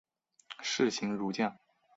士行如将。